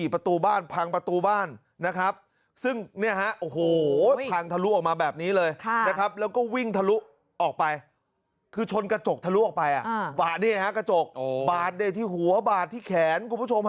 ภาพนี้ฮะกระจกบาดเนี่ยที่หัวบาดที่แขน